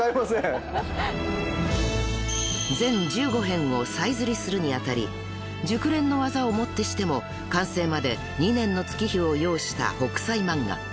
［全１５編を再摺りするに当たり熟練の技をもってしても完成まで２年の月日を要した『北斎漫画』］